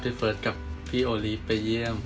เฟิร์สกับพี่โอลีฟไปเยี่ยม